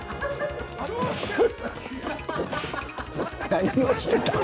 何をしてたん？